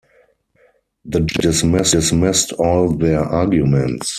The judge dismissed all their arguments.